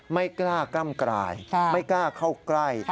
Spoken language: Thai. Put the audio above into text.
ไม่กล้ากล้ำกลายไม่กล้าเข้าใกล้